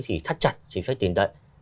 thì thắt chặt chính sách tiền tận